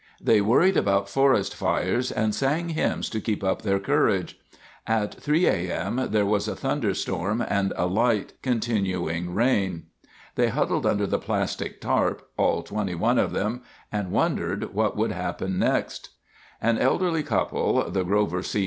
They worried about forest fires, and sang hymns to keep up their courage. At 3:00 A. M. there was a thunderstorm and a light, continuing rain. They huddled under the plastic tarp—all 21 of them—and wondered what would happen next. [Illustration: Water rescue.] An elderly couple, the Grover C.